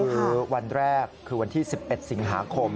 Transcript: คือวันแรกคือวันที่๑๑สิงหาคม